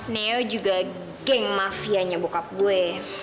neo juga geng mafianya bokap gue